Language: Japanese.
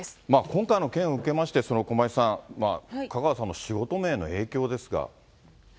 今回の件を受けまして、駒井さん、香川さんの仕事面への影響ですが。